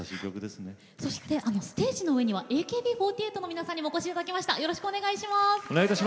そしてステージの上にはＡＫＢ４８の皆さんにもお越しいただきました。